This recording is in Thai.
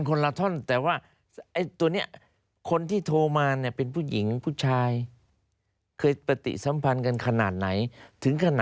เป็นไปได้ไหมที่ตำรวจอาจจะรู้อะไรอีกตั้งเยอะ